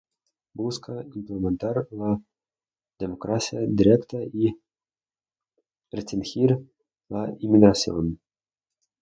Busca implementar la democracia directa y restringir la inmigración.